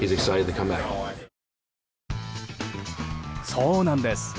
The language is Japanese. そうなんです。